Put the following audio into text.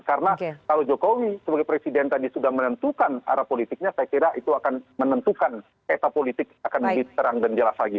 karena kalau jokowi sebagai presiden tadi sudah menentukan arah politiknya saya kira itu akan menentukan etapa politik akan lebih terang dan jelas lagi